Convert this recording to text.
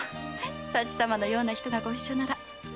佐知様のような人がご一緒なら。